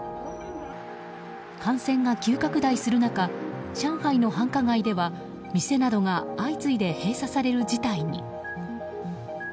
感染が急拡大する中上海の繁華街では店などが相次いで閉鎖される事態に。